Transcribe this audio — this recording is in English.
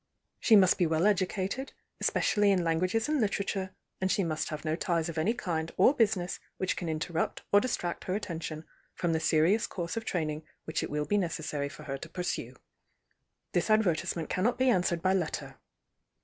She must be well educated, especially m languages and literature, and she must have no ties of any kind or business which can interrupt or distract her attention from the serious course of training which it will be necessary for her to pursue. This Advertisement cannot be answered by letter.